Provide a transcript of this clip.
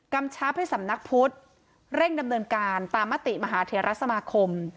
ชับให้สำนักพุทธเร่งดำเนินการตามมติมหาเทรสมาคม